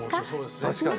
確かに。